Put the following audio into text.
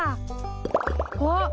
あっ！